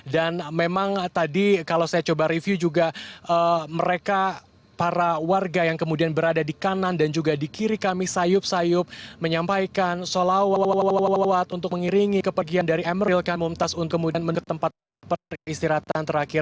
dan memang tadi kalau saya coba review juga mereka para warga yang kemudian berada di kanan dan juga di kiri kami sayup sayup menyampaikan salawat untuk mengiringi kepergian dari emeril kan mumtaz untuk kemudian menuju ke tempat peristirahatan terakhir